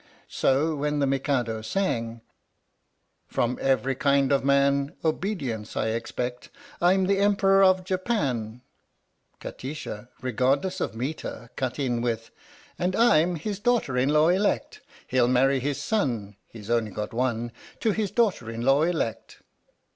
So, when the Mikado sang: From every kind of man Obedience I expect ; I'm the Emperor of Japan Kati sha, regardless of metre, cut in with : And I'm his daughter in law elect ! He'll marry his son (He 's only got one) To his daughter in law elect.